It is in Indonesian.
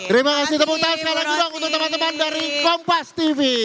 terima kasih tepuk tangan sekali lagi bang untuk teman teman dari kompas tv